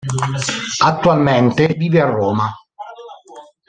Attualmente vive a Roma.